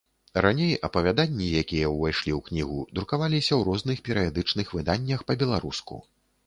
Раней апавяданні, якія ўвайшлі ў кнігу, друкаваліся ў розных перыядычных выданнях па-беларуску.